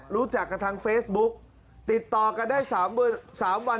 รู้จักกันทางเฟซบุ๊กติดต่อกันได้๓วัน